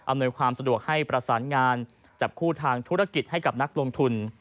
ความสะดวกให้ประสานงานจับคู่ทางธุรกิจให้กับนักลงทุน